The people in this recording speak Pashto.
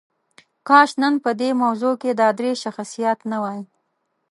کاش نن په دې موضوع کې دا درې شخصیات نه وای.